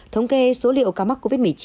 thống kê số liệu ca mắc covid một mươi chín